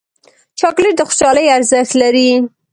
چاکلېټ د خوشحالۍ ارزښت لري